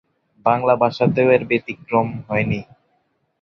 বাংলা ভাষাতেও এর ব্যতিক্রম হয়নি।